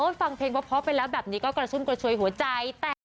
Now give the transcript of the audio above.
จริงเพราะพอเป็นระดับนี้ก็กระชุนกระชวยหัวใจ